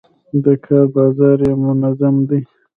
د کار بازار یې منظم دی.